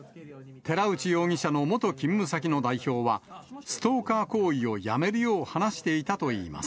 寺内容疑者の元勤務先の代表は、ストーカー行為をやめるよう話していたといいます。